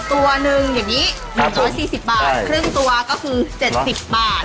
ตัวหนึ่งอย่างนี้๑๔๐บาทครึ่งตัวก็คือ๗๐บาท